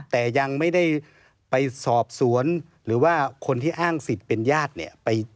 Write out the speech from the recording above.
แต่ยังไม่ได้ไปสอบสวนหรือว่าคนที่อ้างสิทธิ์เป็นญาติเนี่ย